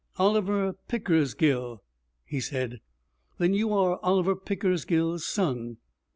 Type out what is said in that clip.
'Oliver Pickersgill?' he said. 'Then you are Oliver Pickersgill's son.'